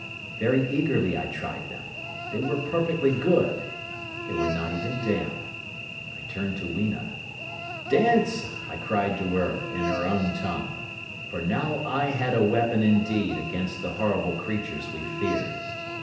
Very eagerly I tried them. They were perfectly good. They were not even damp. I turned to Weena. 'Dance,' I cried to her in her own tongue. For now I had a weapon indeed against the horrible creatures we feared.